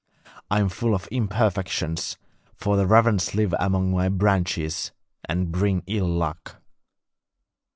I am full of imperfections, for the ravens live among my branches and bring ill luck.'